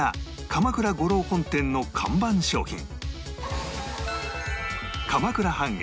鎌倉五郎本店の看板商品